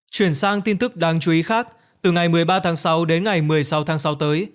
chuyển sang tin tức đáng chú ý khác từ ngày một mươi ba tháng sáu đến ngày một mươi sáu tháng sáu tới